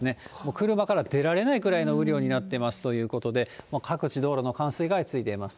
車から出られないぐらいの雨量になっていますということで、各地、道路の冠水が相次いでいます。